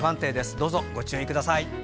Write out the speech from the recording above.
どうぞご注意ください。